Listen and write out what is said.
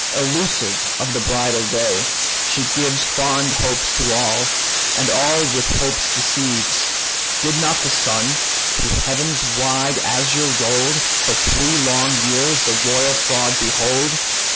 Elusive of the bridal day, she gives Fond hopes to all, and all with hopes deceives. Did not the sun, through heaven's wide azure roll'd, For three long years the royal fraud behold?